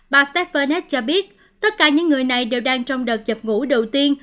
bà stefanek cho biết tất cả những người này đều đang trong đợt dập ngũ đầu tiên